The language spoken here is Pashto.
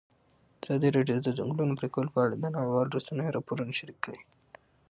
ازادي راډیو د د ځنګلونو پرېکول په اړه د نړیوالو رسنیو راپورونه شریک کړي.